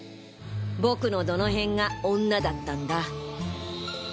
僕のどの辺が女だったんだ？